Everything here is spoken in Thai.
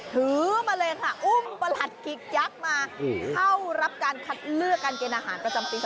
ถือมาเลยค่ะอุ้มประหลัดกิกยักษ์มาเข้ารับการคัดเลือกการเกณฑ์อาหารประจำปี๒๕